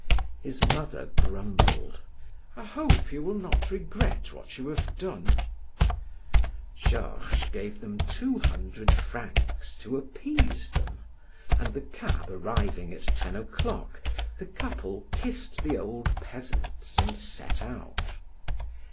His mother grumbled: "I hope you will not regret what you have done." Georges gave them two hundred francs to appease them, and the cab arriving at ten o'clock, the couple kissed the old peasants and set out.